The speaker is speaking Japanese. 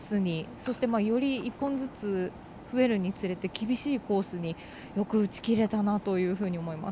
そして、より１本ずつ増えるにつれて厳しいコースによく打ちきれたなと思います。